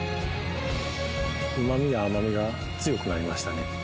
うまみや甘みが強くなりましたね。